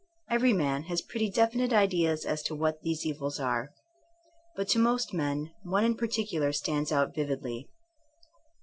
Every man has pretty definite ideas as to what these evils are. But to most men one in particular stands out vividly.